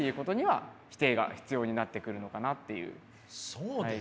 そうです。